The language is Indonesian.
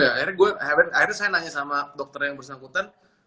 akhirnya saya nanya sama dokter yang bersangkutan